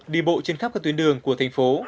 đi bộ trên khắp các tuyến đường của thành phố